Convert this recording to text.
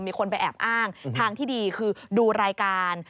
มีคนไปแอบอ้างทางที่ดีคือดูรายการ